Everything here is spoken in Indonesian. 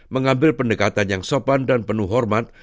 mengambil pendekatan yang sopan dan penuh hormat